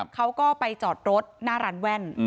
เขาก็ไปจอดรถหน้าร้านแว่น